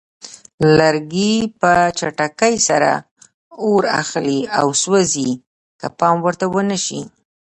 لرګي په چټکۍ سره اور اخلي او سوځي که پام ورته ونه شي.